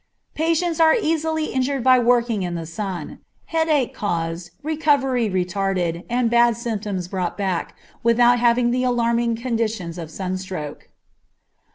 Patients are easily injured by working in the sun; headache caused, recovery retarded, and bad symptoms brought back, without having the alarming conditions of sunstroke.